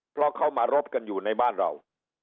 เพราะเขามารบกันอยู่ในบ้านเรา